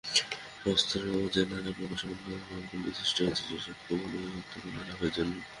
শাস্ত্রে যে নানা প্রকার সাধনমার্গ নির্দিষ্ট হয়েছে, সে-সব কেবল ঐ আত্মজ্ঞান-লাভের জন্য।